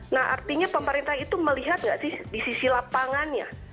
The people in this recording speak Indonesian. nah artinya pemerintah itu melihat nggak sih di sisi lapangannya